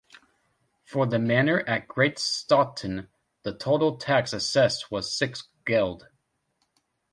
For the manor at Great Staughton the total tax assessed was six geld.